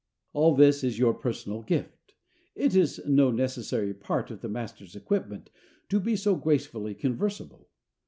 All this is your personal gift: it is no necessary part of the master's equipment to be so gracefully conversable.